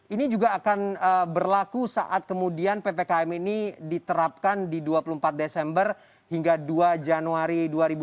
ini juga akan berlaku saat kemudian ppkm ini diterapkan di dua puluh empat desember hingga dua januari dua ribu dua puluh